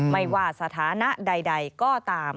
ไม่ว่าสถานะใดก็ตาม